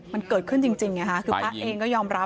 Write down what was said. มันเกิดขึ้นจริงคือพระเองก็ยอมรับ